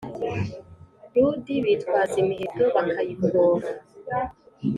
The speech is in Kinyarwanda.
Ludi bitwaza imiheto bakayifora